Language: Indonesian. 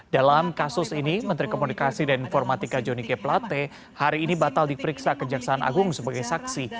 dalam kasus ini menteri komunikasi dan informatika johnny g plate hari ini batal diperiksa kejaksaan agung sebagai saksi